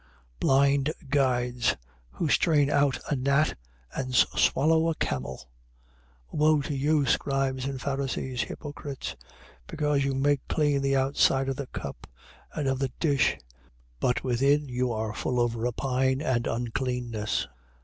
23:24. Blind guides, who strain out a gnat and swallow a camel. 23:25. Woe to you, scribes and Pharisees, hypocrites; because you make clean the outside of the cup and of the dish, but within you are full of rapine and uncleanness.